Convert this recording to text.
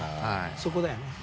そこだよね。